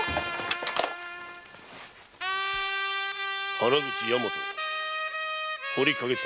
原口大和堀景綱